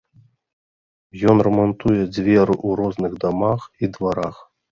Ён рамантуе дзверы ў розных дамах і дварах.